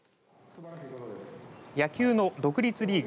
野球の独立リーグ